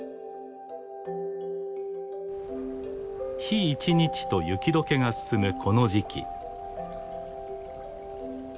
日一日と雪解けが進むこの時期。